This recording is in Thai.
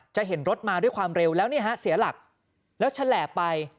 เห็นรถมาด้วยความเร็วแล้วเนี่ยฮะเสียหลักแล้วแฉลบไป